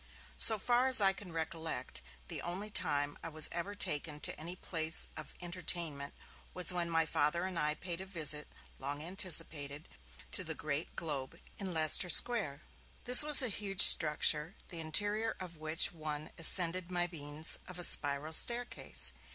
So far as I can recollect, the only time I was ever taken to any place of entertainment was when my Father and I paid a visit, long anticipated, to the Great Globe in Leicester Square. This was a huge structure, the interior of which one ascended by means of a spiral staircase.